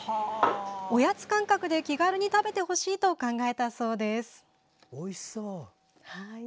おやつ感覚で気軽に食べてほしいと考えたそうです。